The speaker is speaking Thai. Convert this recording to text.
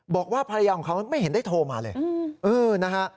บอกว่าภรรยาของเขาไม่เห็นได้โทรมาเลยนะฮะ